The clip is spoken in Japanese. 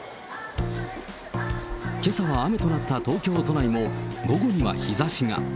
けさは雨となった東京都内も午後には日ざしが。